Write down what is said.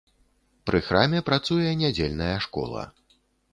Пры храме працуе нядзельная школа.